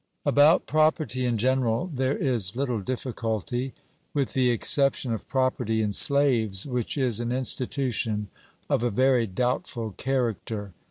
About property in general there is little difficulty, with the exception of property in slaves, which is an institution of a very doubtful character.